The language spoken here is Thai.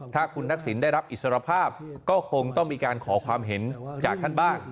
ถ้าคุณทักษิณได้รับอิสรภาพก็คงต้องมีการขอความเห็นจากท่านบ้าง